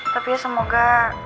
tapi ya semoga